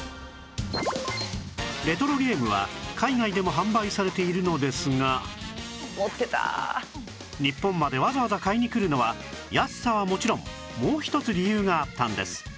レトロゲームは海外でも販売されているのですが日本までわざわざ買いに来るのは安さはもちろんもう一つ理由があったんです